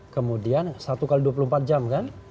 kemudian satu x dua puluh empat jam kan